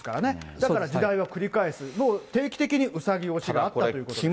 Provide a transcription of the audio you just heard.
だから時代は繰り返す、もう定期的にうさぎ推しがあったということです。